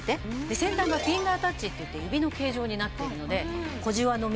先端がフィンガータッチっていって指の形状になっているので。